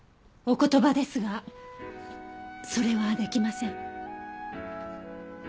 お言葉ですがそれはできません。